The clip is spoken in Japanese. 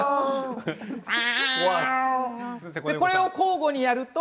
これを交互にやると。